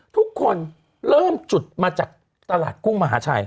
ทุกคนเริ่มจุดมาจากตลาดกุ้งมหาชัย